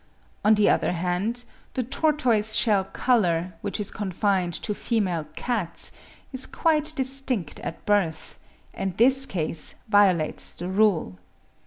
On the other hand, the tortoise shell colour, which is confined to female cats, is quite distinct at birth, and this case violates the rule.